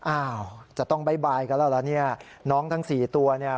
อ้าวจะต้องบ๊ายบายกันแล้วเหรอเนี่ยน้องทั้งสี่ตัวเนี่ย